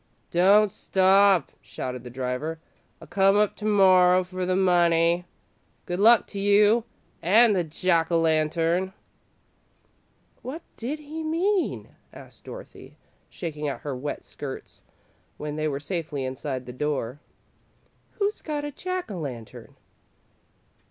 "Don't stop," shouted the driver; "I'll come up to morrer for the money. Good luck to you an' the Jack o' Lantern!" "What did he mean?" asked Dorothy, shaking out her wet skirts, when they were safely inside the door. "Who's got a Jack o' Lantern?"